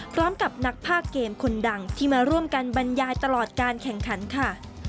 สำหรับนักภาคเกมคนดังที่มาร่วมกันบรรยายตลอดการแข่งขันค่ะ